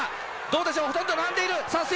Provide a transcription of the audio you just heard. どうでしょうほとんど並んでいるさぁ末續！